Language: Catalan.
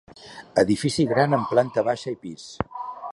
Edifici gran amb planta baixa i pis.